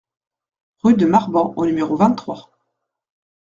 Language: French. Rue de Marban au numéro vingt-trois